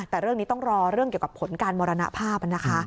แต่เรื่องนี้ต้องรอเรื่องเกี่ยวกับผลการมรณภาพนะคะ